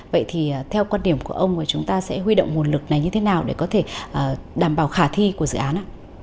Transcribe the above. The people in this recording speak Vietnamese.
vậy thì theo quan điểm của ông là chúng ta sẽ huy động nguồn lực này như thế nào để có thể đảm bảo khả thi của dự án ạ